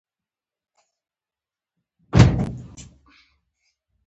کلام پر نورو علومو هم تکیه کوي.